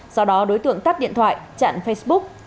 sau đó đối tượng tắt điện thoại chặn facebook